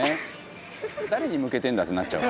誰に向けてんだってなっちゃう。